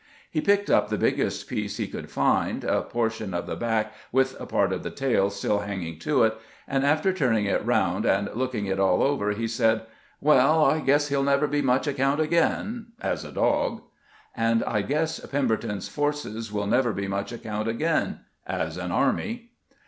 He picked up the biggest piece he could find, a portion of the back with a part of the tail still hang ing to it, and after turning it round and looking it all over, he said, ' Well, I guess he '11 never be much account again — as a dog.' And I guess Pemberton's forces will never be much account again — as an army."